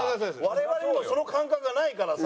我々にその感覚がないからさ。